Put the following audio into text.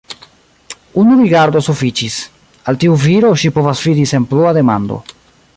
Unu rigardo sufiĉis: al tiu viro ŝi povas fidi sen plua demando.